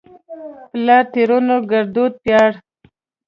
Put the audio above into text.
پلار؛ ترينو ګړدود پيار